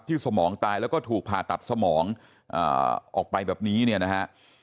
สมองตายแล้วก็ถูกผ่าตัดสมองออกไปแบบนี้เนี่ยนะฮะ